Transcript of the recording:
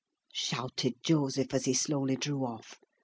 shouted Joseph, as he slowly drew off.